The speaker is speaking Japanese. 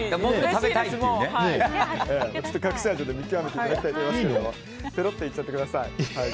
隠し味を見極めていただきたいと思いますがぺろっていっちゃってください。